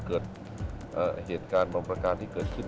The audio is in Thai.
เหตุการณ์บอมประการที่เกิดขึ้น